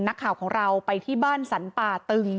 นักข่าวของเราไปที่บ้านสรรป่าตึง